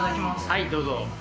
はいどうぞ。